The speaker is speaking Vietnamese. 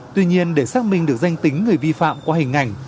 tuy nhiên để xác minh được danh tính người vi phạm qua hình ảnh